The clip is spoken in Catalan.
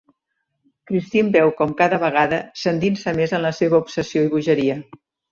Christine veu com cada vegada s'endinsa més en la seva obsessió i bogeria.